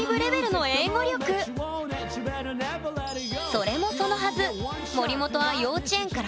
それもそのはず